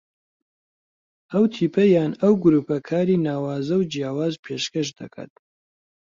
ئەو تیپە یان ئەو گرووپە کاری ناوازە و جیاواز پێشکەش دەکات